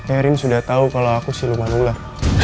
erin sudah tahu kalau aku siluman ular